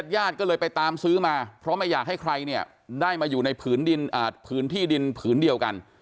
ญาติก็เลยไปตามซื้อมาเพราะไม่อยากให้ใครเนี่ยได้มาอยู่ในผืนที่ดินผืนเดียวกัน